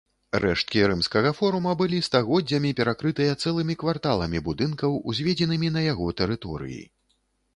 Рэшткі рымскага форума былі стагоддзямі перакрытыя цэлымі кварталамі будынкаў, узведзенымі на яго тэрыторыі.